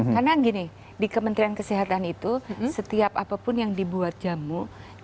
karena gini di kementerian kesehatan itu setiap apapun yang dibuat jamu kan ditumbuk